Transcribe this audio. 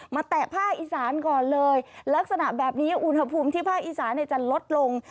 แตะภาคอีสานก่อนเลยลักษณะแบบนี้อุณหภูมิที่ภาคอีสานจะลดลง